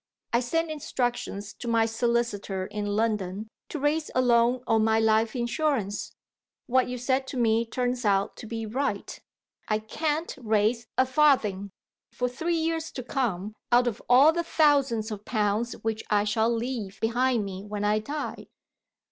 I sent instructions to my solicitor in London to raise a loan on my life insurance. What you said to me turns out to be right. I can't raise a farthing, for three years to come, out of all the thousands of pounds which I shall leave behind me when I die.